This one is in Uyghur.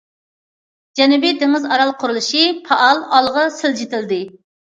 جەنۇبىي دېڭىز ئارال قۇرۇلۇشى پائال ئالغا سىلجىتىلدى.